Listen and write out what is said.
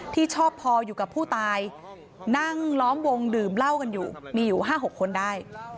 ที่ชอบพออยู่กับผู้ตายนั่งล้อมวงดื่มเหล้ากันอยู่มีอยู่๕๖คนได้